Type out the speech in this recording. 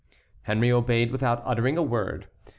Henry obeyed without uttering a word.